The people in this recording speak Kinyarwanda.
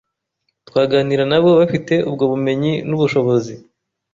twaganira na bo bafite ubwo bumenyi n’ubushobozi